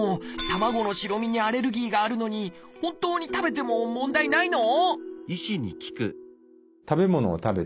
卵の白身にアレルギーがあるのに本当に食べても問題ないの？